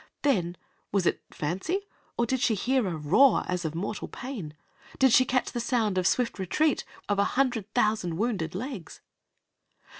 Then, was it fancy, or did she hear a roar as of mortal pain? Did she catch the sound of swift retreat of a hundred thousand wounded legs?